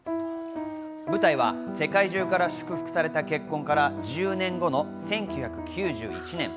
舞台は世界中から祝福された結婚から１０年後の１９９１年。